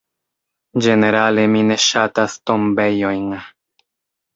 Ĝenerale mi ne ŝatas tombejojn.